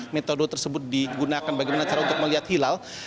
metode tersebut digunakan bagaimana cara untuk melihat hilal